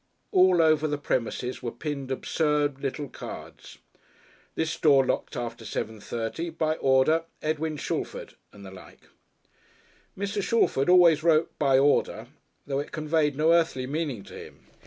All over the premises were pinned absurd little cards. "This door locked after 7:30. By order, Edwin Shalford," and the like. Mr. Shalford always wrote "By order," though it conveyed no earthly meaning to him.